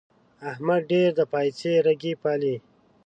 احمد ډېر د پايڅې رګی پالي.